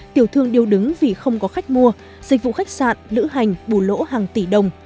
tiểu thương điêu đứng vì không có khách mua dịch vụ khách sạn lữ hành bù lỗ hàng tỷ đồng